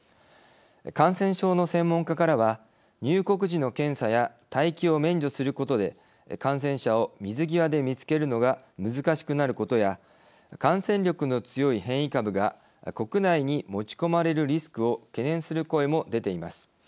感染症の専門家からは入国時の検査や待機を免除することで感染者を水際で見つけるのが難しくなることや感染力の強い変異株が国内に持ち込まれるリスクを懸念する声も出ています。